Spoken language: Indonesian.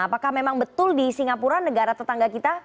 apakah memang betul di singapura negara tetangga kita